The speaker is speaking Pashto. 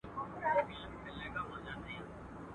بډاى ئې له خواره گټي، خوار ئې له بډايه.